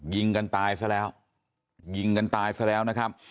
ยิงกันตายซะแล้วยิงกันตายซะแล้วนะครับ